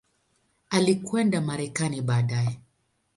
Alikwenda Marekani baadaye.